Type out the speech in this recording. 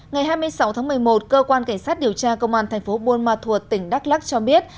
ngày hai mươi sáu tháng một mươi một cơ quan cảnh sát điều tra công an thành phố buôn ma thuột tỉnh đắk lắc cho biết